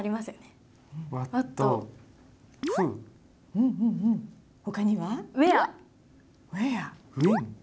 うんうんうんほかには？